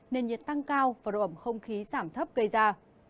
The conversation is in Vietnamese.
nền nhiệt tăng cao và độ ẩm không khí giảm thấp gây ra